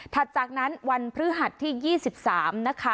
จากนั้นวันพฤหัสที่๒๓นะคะ